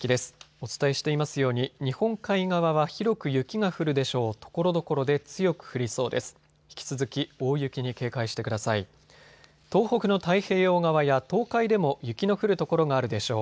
お伝えしていますように日本海側は広く雪が降るでしょう。